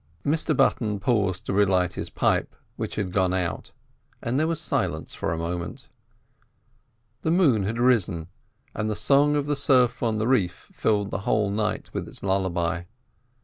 Mr Button paused to relight his pipe, which had gone out, and there was silence for a moment. The moon had risen, and the song of the surf on the reef filled the whole night with its lullaby.